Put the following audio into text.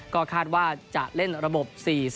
ก็คาดว่าจะเล่นระบบ๔๐